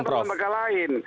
dan ada lembaga lain